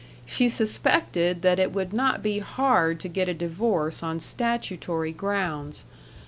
She suspected that it would not be hard to get a divorce on statutory grounds.